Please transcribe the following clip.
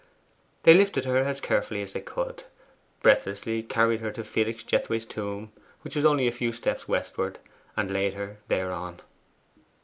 They lifted her as carefully as they could, breathlessly carried her to Felix Jethway's tomb, which was only a few steps westward, and laid her thereon.